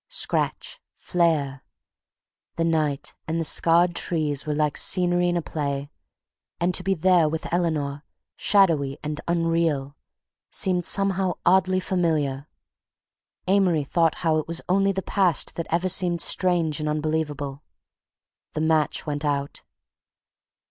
Scratch! Flare! The night and the scarred trees were like scenery in a play, and to be there with Eleanor, shadowy and unreal, seemed somehow oddly familiar. Amory thought how it was only the past that ever seemed strange and unbelievable. The match went out.